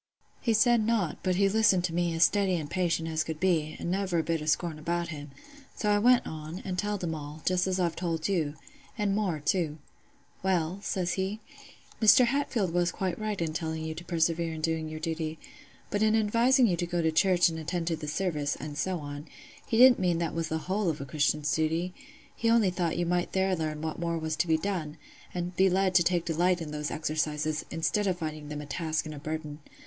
"He said nought; but he listened to me as steady an' patient as could be, an' never a bit o' scorn about him; so I went on, an' telled him all, just as I've telled you—an' more too. "'Well,' says he, 'Mr. Hatfield was quite right in telling you to persevere in doing your duty; but in advising you to go to church and attend to the service, and so on, he didn't mean that was the whole of a Christian's duty: he only thought you might there learn what more was to be done, and be led to take delight in those exercises, instead of finding them a task and a burden.